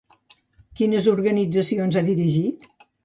Quines organitzacions ha dirigit?